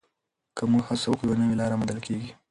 که موږ هڅه وکړو، یوه نوې لاره موندل کېږي.